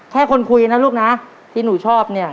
แค่คนคุยนะลูกนะที่หนูชอบเนี่ย